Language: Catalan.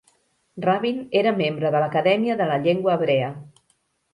Rabin era membre de l'Acadèmia de la Llengua Hebrea.